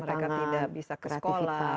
mereka tidak bisa ke sekolah